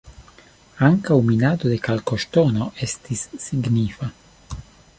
Ankaŭ minado de kalkoŝtono estis signifa.